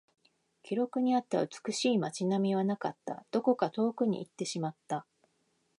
記録にあった美しい街並みはなかった。どこか遠くに行ってしまった。